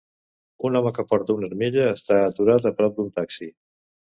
Un home que porta una armilla està aturat a prop d'un taxi.